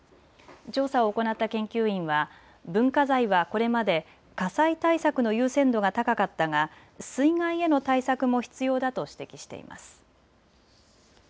調査を行った研究員は文化財はこれまで火災対策の優先度が高かったが水害への対策も必要だと指摘しています。